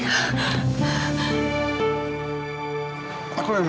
jangan pernah kembali